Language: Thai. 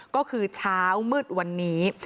ก็คือเช้ามืดวันนี้